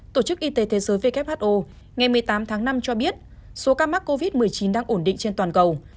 tổ chức y tế thế giới who ngày một mươi tám tháng năm cho biết số ca mắc covid một mươi chín đang ổn định trên toàn cầu